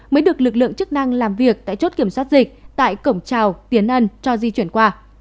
mới được lực lượng chức năng làm việc tại chốt kiểm soát dịch tại cổng trào tiến ân cho di chuyển qua